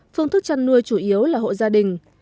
phương thức chăn nuôi chủ yếu là hộ gia đình